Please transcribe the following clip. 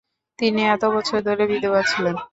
তিনি এত বছর ধরে বিধবা ছিলেন।